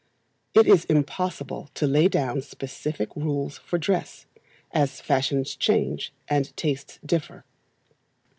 It is impossible to lay down specific rules for dress, as fashions change, and tastes differ.